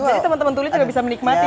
jadi teman teman tulis gak bisa menikmati